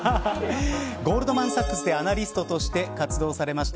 ゴールドマン・サックスでアナリストとして活躍されました